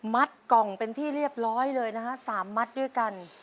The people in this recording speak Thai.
กล่องเป็นที่เรียบร้อยเลยนะฮะ๓มัดด้วยกัน